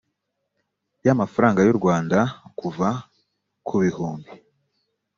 y amafaranga y u rwanda kuva ku bihumbi